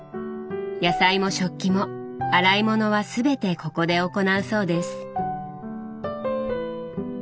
野菜も食器も洗い物はすべてここで行うそうです。